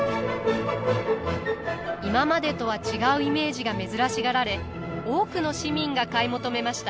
今までとは違うイメージが珍しがられ多くの市民が買い求めました。